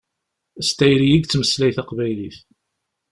S tayri i yettmeslay taqbaylit.